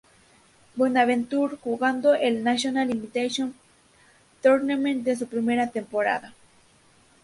Bonaventure, jugando el National Invitation Tournament en su primera temporada.